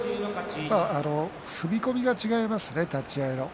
踏み込みが違いますね立ち合いの。